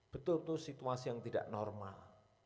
betul itu situasi yang tidak normal